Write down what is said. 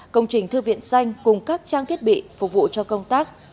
công trình thư viện xanh cùng các trang thiết bị phục vụ cho công tác